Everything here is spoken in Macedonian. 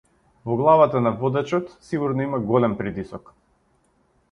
Во главата на водачот сигурно има голем притисок.